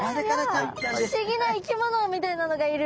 不思議な生き物みたいなのがいる。